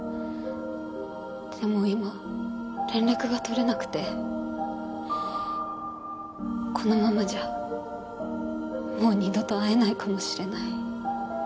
でも今連絡が取れなくてこのままじゃもう二度と会えないかもしれない。